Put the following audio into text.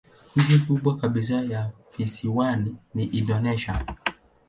Nchi kubwa kabisa ya visiwani ni Indonesia.